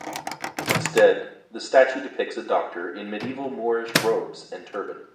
Instead, the statue depicts a doctor in medieval Moorish robes and turban.